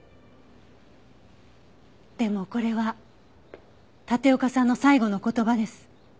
でもこれは立岡さんの最後の言葉です。